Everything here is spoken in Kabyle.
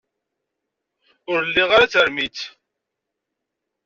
Ur liɣ ara tarmit.